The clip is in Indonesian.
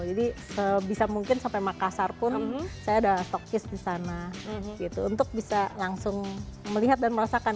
jadi sebisa mungkin sampai makassar pun saya ada stokis disana gitu untuk bisa langsung melihat dan merasakan